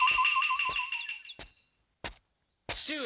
・父上！